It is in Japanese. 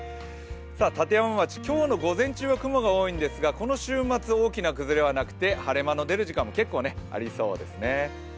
立山町、今日の午前中は雲が多いんですがこの週末、大きな崩れはなくて晴れ間の出る時間も結構ありそうですね。